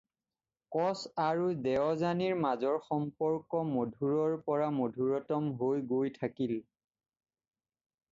কচ আৰু দেৱযানীৰ মাজৰ সম্পৰ্ক মধুৰৰ পৰা মধুৰতম হৈ গৈ থাকিল।